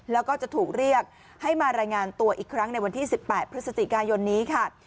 แล้วก็จะถูกเรียกให้มารายงานตัวอีกครั้งในวันที่๑๘พฤศจิกายนนี้ค่ะ